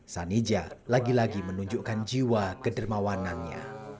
sani jaya lagi lagi menunjukkan jiwa kedermawanannya